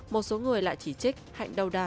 một số người lại chỉ trích hạnh đầu đà